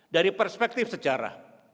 dari perspektif sejarah